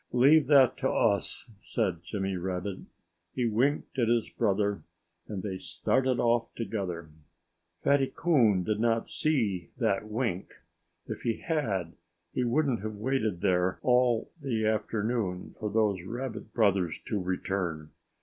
"Leave that to us," said Jimmy Rabbit. He winked at his brother; and they started off together. Fatty Coon did not see that wink. If he had, he wouldn't have waited there all the afternoon for those Rabbit brothers to return.